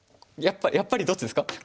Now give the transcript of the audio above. やっぱりどっちですか？